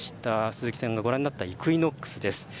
鈴木さん、ご覧になったイクイノックスです。